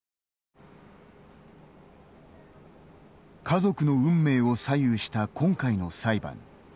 家族の運命を左右した今回の裁判。